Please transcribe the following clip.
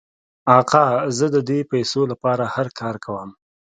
آقا زه د دې پیسو لپاره هر کار کوم.